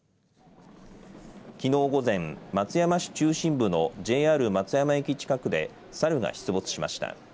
きのう午前松山市中心部のＪＲ松山駅近くでサルが出没しました。